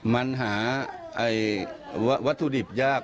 มันหาวัตถุดิบยาก